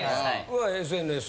はＳＮＳ。